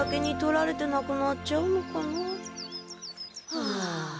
はあ。